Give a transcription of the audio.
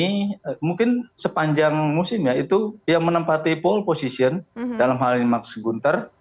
jadi mungkin sepanjang musim ya itu yang menempati pole position dalam hal ini max gunter